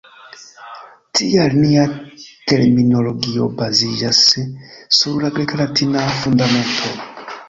Tial nia terminologio baziĝas sur la greka-latina fundamento.